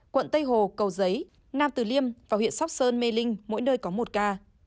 quận tây hồ cầu giấy nam tử liêm và huyện sóc sơn mê linh mỗi nơi có một ca